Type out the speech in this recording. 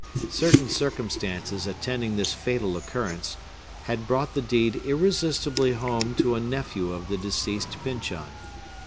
Certain circumstances attending this fatal occurrence had brought the deed irresistibly home to a nephew of the deceased Pyncheon.